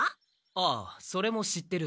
ああそれも知ってる。